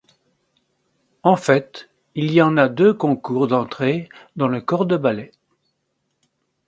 En fait, il y en a deux concours d'entrée dans le corps de ballet.